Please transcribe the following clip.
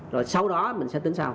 rồi sau đó mình sẽ tính sau